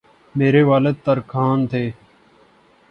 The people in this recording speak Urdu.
میرے والد ترکھان تھے